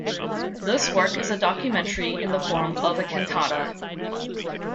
This work is a documentary in the form of a cantata.